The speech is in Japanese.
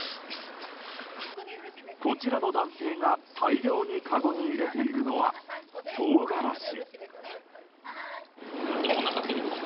こちらの男性が大量にかごに入れているのはトウガラシ。